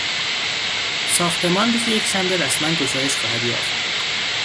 ساختمان روز یکشنبه رسما گشایش خواهد یافت.